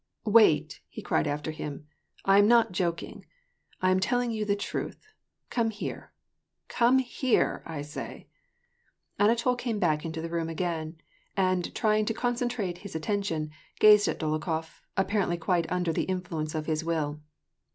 WAR AND PEACE. 869 "Wait," lie cried after him, "I am not joking, I am telling you the truth ; come here, come here, I say !" Anatol came back into the room again, and trying to concen trate his attention, gazed at Dolokhof, apparently quite under the influence of his will.